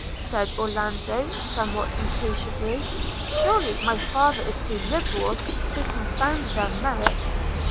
said Orlando somewhat impatiently – 'surely my father is too liberal to confound their merits.